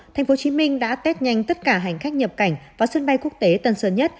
tp hcm đã test nhanh tất cả hành khách nhập cảnh vào sân bay quốc tế tân sơn nhất